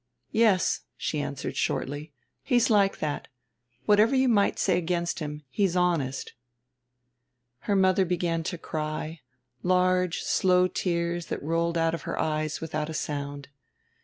"Yes," she answered shortly. "He's like that. Whatever you might say against him he's honest." Her mother began to cry, large slow tears that rolled out of her eyes without a sound.